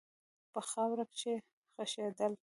په خاوره کښې خښېدل